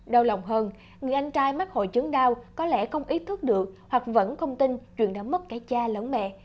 đau lòng hơn người anh trai mắc hồi chấn đau có lẽ không ý thức được hoặc vẫn không tin chuyện đã mất cái cha lớn mẹ